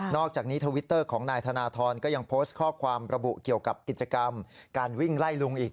อกจากนี้ทวิตเตอร์ของนายธนทรก็ยังโพสต์ข้อความระบุเกี่ยวกับกิจกรรมการวิ่งไล่ลุงอีก